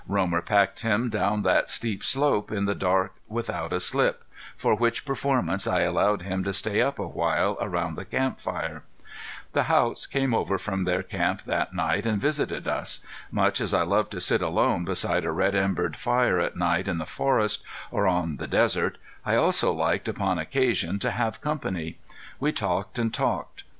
Romer packed him down that steep slope in the dark without a slip, for which performance I allowed him to stay up a while around the camp fire. The Haughts came over from their camp that night and visited us. Much as I loved to sit alone beside a red embered fire at night in the forest, or on the desert, I also liked upon occasions to have company. We talked and talked.